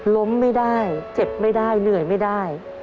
ล้มไม่ได้เจ็บไม่ได้เหนื่อยไม่ได้